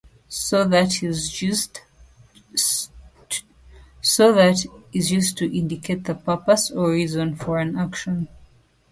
"So that" is used to indicate the purpose or reason for an action.